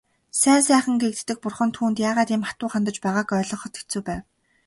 Сайн сайхан гэгддэг бурхан түүнд яагаад ийм хатуу хандаж байгааг ойлгоход хэцүү байв.